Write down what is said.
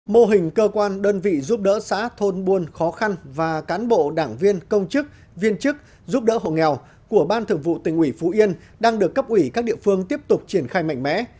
mô hình cơ quan đơn vị giúp đỡ xã thôn buôn khó khăn và cán bộ đảng viên công chức viên chức giúp đỡ hộ nghèo của ban thường vụ tỉnh ủy phú yên đang được cấp ủy các địa phương tiếp tục triển khai mạnh mẽ